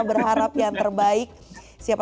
berharap yang terbaik siapa